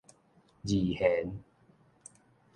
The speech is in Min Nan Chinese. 二弦